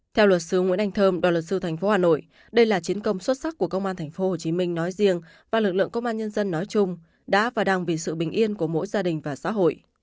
theo luật sư nguyễn anh thơm đoàn luật sư tp hà nội đây là chiến công xuất sắc của công an tp hcm nói riêng và lực lượng công an nhân dân nói chung đã và đang vì sự bình yên của mỗi gia đình và xã hội